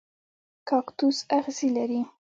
کاکتوس اغزي لري